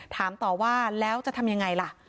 ถามต่อว่าแล้วจะทำยังไงล่ะ